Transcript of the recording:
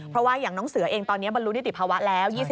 เพราะว่าอย่างน้องเสือเองตอนนี้บรรลุนิติภาวะแล้ว